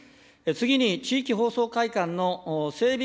次に、地域放送会館の整備